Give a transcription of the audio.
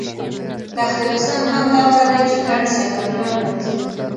تخت رستم هم دلته دی چې ګڼ سیلانیان راځي.